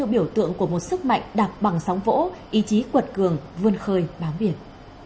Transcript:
biểu tượng của một sức mạnh đặc bằng sóng vỗ ý chí quật cường vươn khơi bám biển